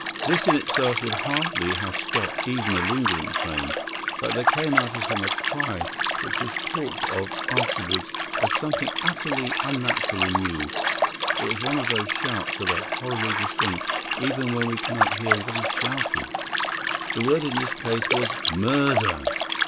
This in itself would hardly have stopped even a lingering train. But there came out of him a cry which was talked of afterwards as something utterly unnatural and new. It was one of those shouts that are horridly distinct even when we cannot hear what is shouted. The word in this case was "Murder!"